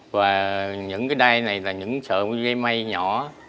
và những cái đai này là những sợi dây mây nhỏ